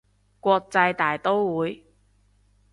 國際大刀會